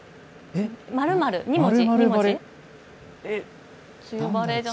○○２文字。